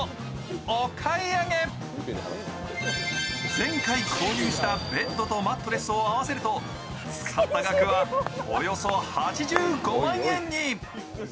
前回購入したベッドとマットレスを合わせると使った額はおよそ８５万円に。